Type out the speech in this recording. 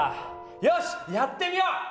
よしやってみよう！